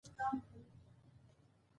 څخه هيله کيږي